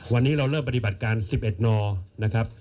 วันนี้เราเริ่มปฏิบัติการ๑๑นนะครับ